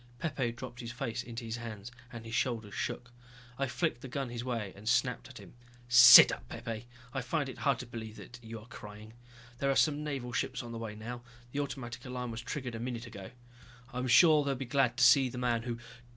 Pepe dropped his face into his hands and his shoulders shook. I flicked the gun his way and snapped at him. "Sit up, Pepe. I find it very hard to believe that you are crying. There are some Naval ships on the way now, the automatic alarm was triggered about a minute ago. I'm sure they'll be glad to see the man who...."